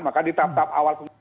maka di tahap tahap awal kemudian